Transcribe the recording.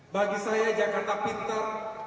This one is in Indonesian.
bagi saya jakarta pinter